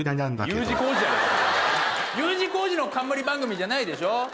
Ｕ字工事の冠番組じゃないでしょ。